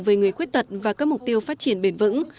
về người khuyết tật và các mục tiêu phát triển bền vững